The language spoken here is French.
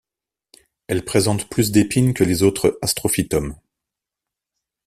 Elle présente plus d'épines que les autres Astrophytum.